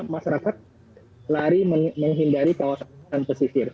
masyarakat lari menghindari kawasan pesisir